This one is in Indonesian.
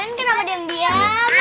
kamu kenapa diam diam